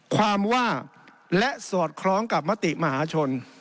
ความว่าและสอดคล้องกับมติมหาชน